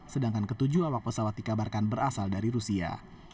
sedangkan ketujuh awak pesawat dikabarkan berasal dari rusia